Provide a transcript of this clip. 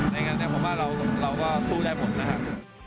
ในการเนี่ยผมว่าเราก็สู้ได้หมดนะครับ